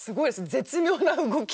絶妙な動き。